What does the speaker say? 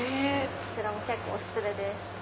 こちらもお薦めです。